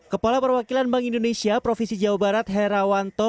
kepala perwakilan bank indonesia provinsi jawa barat herawanto